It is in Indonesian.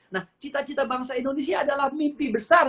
nah cita cita bangsa indonesia adalah mimpi besar